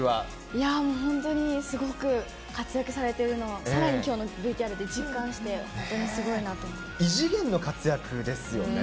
いやー、もう本当にすごく活躍されているのを、さらにきょうのＶＴＲで実感して、本当にすご異次元の活躍ですよね。